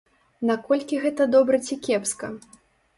Наколькі гэта добра ці кепска?